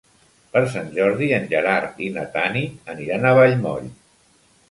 Per Sant Jordi en Gerard i na Tanit aniran a Vallmoll.